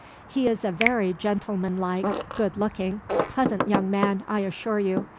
He is a very gentlemanlike, good looking, pleasant young man, I assure you.